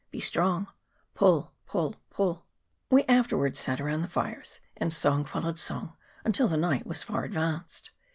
Be strong, pull, pull, pull. We afterwards sat around the fires, and song followed song until the night was far advanced.